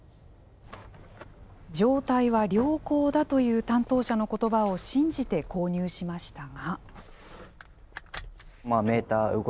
状態は良好だという担当者の言葉を信じて購入しましたが。